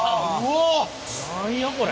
何やこれ。